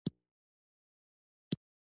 پر بخت بيداره